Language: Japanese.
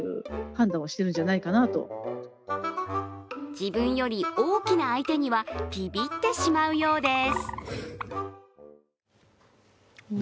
自分より大きな相手にはビビってしまうようです。